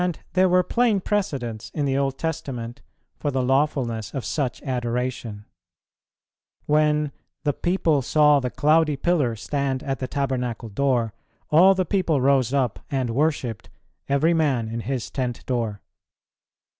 And there were plain precedents in the Old Testament for the lawfulness of such adoration. When "the people saw the cloudy pillar stand at the tabernacle door," "all the people rose up and worshipped, every man in his tent door."